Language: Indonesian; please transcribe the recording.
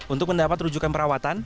untuk mendapat rujukan perawatan